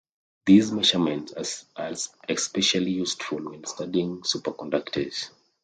These measurements are especially useful when studying superconductors.